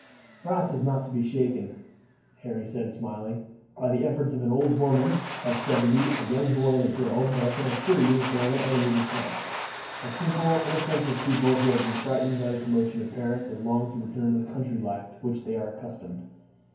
"France is not to be shaken," Harry said, smiling, "by the efforts of an old woman of seventy and a young boy and girl; but I can assure you that they are no enemies of France, but simple inoffensive people who have been frightened by the commotion in Paris, and long to return to the country life to which they are accustomed.